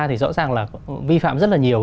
thì rõ ràng là vi phạm rất là nhiều